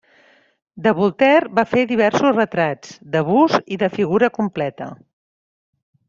De Voltaire va fer diversos retrats, de bust i de figura completa.